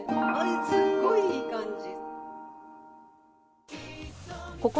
すっごいいい感じ。